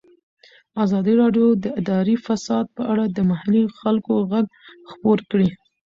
ازادي راډیو د اداري فساد په اړه د محلي خلکو غږ خپور کړی.